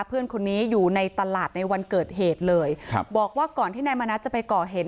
เพื่อนคนนี้อยู่ในตลาดในวันเกิดเหตุเลยครับบอกว่าก่อนที่นายมณัฐจะไปก่อเหตุ